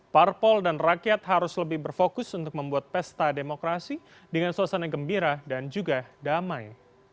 parpol dan rakyat harus lebih berfokus untuk membuat pesta demokrasi dengan suasana gembira dan juga damai